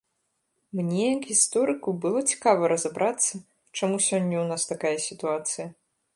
Мне, як гісторыку, было цікава разабрацца, чаму сёння ў нас такая сітуацыя.